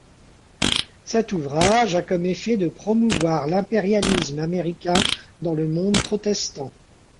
Cet ouvrage a comme effet de promouvoir l'impérialisme américain dans le monde protestant.